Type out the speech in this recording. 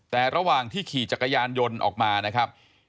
แต่ระหว่างที่ขี่จักรยานยนต์ออกมานะครับ